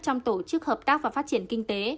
trong tổ chức hợp tác và phát triển kinh tế